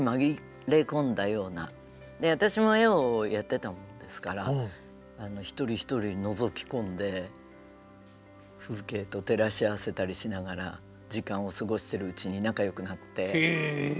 私も絵をやってたもんですから一人一人のぞき込んで風景と照らし合わせたりしながら時間を過ごしてるうちに仲よくなって。